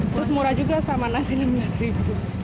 terus murah juga sama nasi rp lima belas